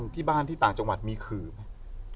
ที่บ้านที่ต่างจังหวัดมีขื่อไหม